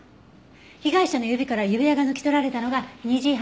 被害者の指から指輪が抜き取られたのが２時半。